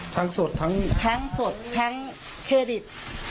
สดทั้งสดทั้งเครดิต